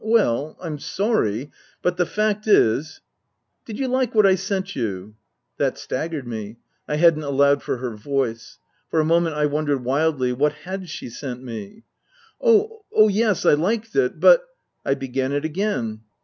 " Well I'm sorry but the fact is "" Did you like what I sent you ?" That staggered me. I hadn't allowed for her voice. For a moment I wondered wildly what had she sent me ?" Oh, yes. I liked it. But " I began it again.